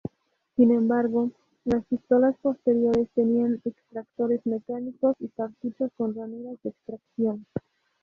Sin embargo, las pistolas posteriores tenían extractores mecánicos y cartuchos con ranuras de extracción.